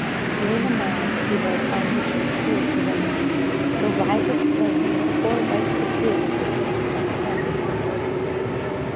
Being a man, he was by nature cruel to women; the wisest thing his poor wife could do would be to expect nothing from him.